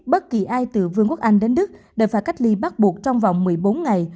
bất kỳ ai từ vương quốc anh đến đức đều phải cách ly bắt buộc trong vòng một mươi bốn ngày